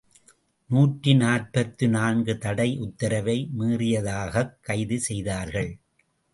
நூற்றி நாற்பத்து நான்கு தடை உத்தரவை மீறியதற்காகக் கைது செய்தார்கள்.